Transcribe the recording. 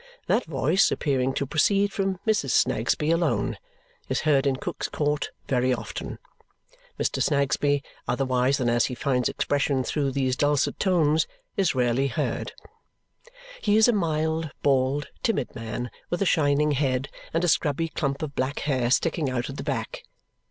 That voice, appearing to proceed from Mrs. Snagsby alone, is heard in Cook's Court very often. Mr. Snagsby, otherwise than as he finds expression through these dulcet tones, is rarely heard. He is a mild, bald, timid man with a shining head and a scrubby clump of black hair sticking out at the back.